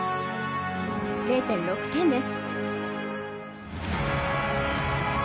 ０．６点です。